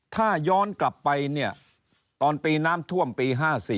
ถ้าย้อนกลับไปเนี่ยตอนปีน้ำท่วมปี๕๔